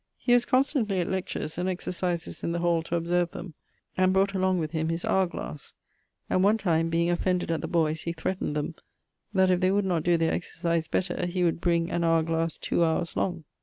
He was constantly at lectures and exercises in the hall to observe them, and brought along with him his hower glasse; and one time, being offended at the boyes, he threatned them, that if they would not doe their exercise better he 'would bring an hower glass two howers long.'